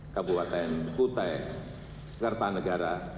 kabupaten kutai kartanegara